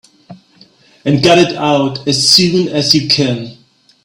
And got it out as soon as you can.